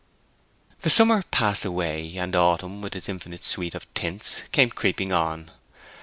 XV The summer passed away, and autumn, with its infinite suite of tints, came creeping on.